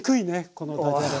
このダジャレ。